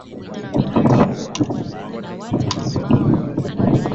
ambao unakuwa huu mji wa portal pae